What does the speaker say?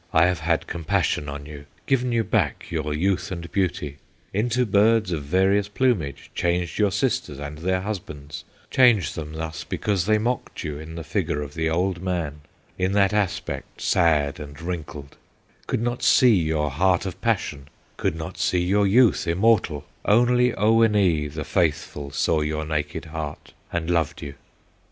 I have had compassion on you, Given you back your youth and beauty, Into birds of various plumage Changed your sisters and their husbands; Changed them thus because they mocked you In the figure of the old man, In that aspect sad and wrinkled, Could not see your heart of passion, Could not see your youth immortal; Only Oweenee, the faithful, Saw your naked heart and loved you.